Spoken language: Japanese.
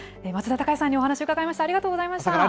松田崇弥さんにお話を伺いました。